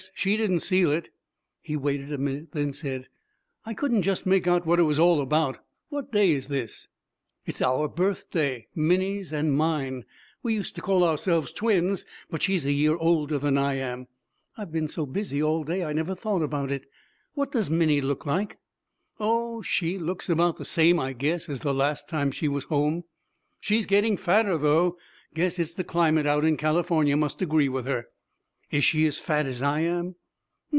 She didn't seal it.' He waited a minute, then said, 'I couldn't just make out what it was all about. What day is this?' 'It's our birthday Minnie's and mine. We used to call ourselves twins, but she's a year older than I am. I've been so busy all day I never thought about it. What does Minnie look like?' 'Oh, she looks about the same, I guess, as the last time she was home. She's getting fatter, though. Guess the climate out in California must agree with her.' 'Is she as fat as I am?'